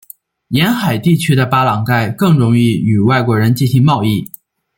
沿海地区的巴朗盖更容易与外国人进行贸易。